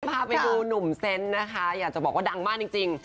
พาไปดูหนุ่มเซนต์นะคะอยากจะบอกว่าดังมากจริง